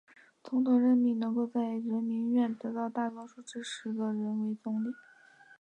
总统任命能够在人民院得到大多数支持的人为总理。